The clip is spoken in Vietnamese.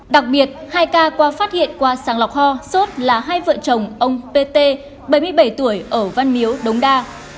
đặc biệt hai ca qua phát hiện qua sàng lọc ho sốt là hai vợ chồng ông p t bảy mươi bảy tuổi ở văn miếu đông đa